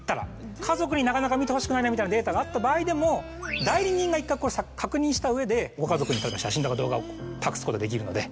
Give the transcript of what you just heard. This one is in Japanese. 家族になかなか見てほしくないなみたいなデータがあった場合でも代理人が１回確認した上でご家族に写真とか動画を託すことできるので。